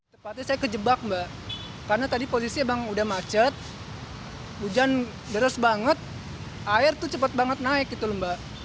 tepatnya saya kejebak mbak karena tadi posisi emang udah macet hujan deras banget air tuh cepat banget naik gitu lho mbak